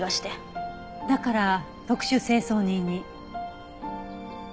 だから特殊清掃人に？